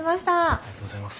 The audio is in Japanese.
ありがとうございます。